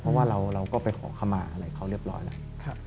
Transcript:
เพราะว่าเราก็ไปขอขมาอะไรเขาเรียบร้อยแล้ว